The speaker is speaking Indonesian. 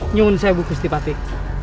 nyungun saya bukusti patih